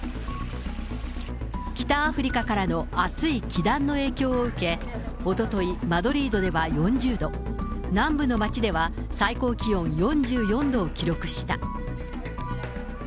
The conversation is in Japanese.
北アフリカからの暑い気団の影響を受け、おととい、マドリードでは４０度、南部の街では最高気温４４度を記録した。